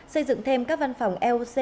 xây dựng thêm các văn phòng eoc